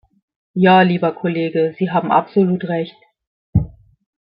Ja, lieber Kollege, Sie haben absolut recht.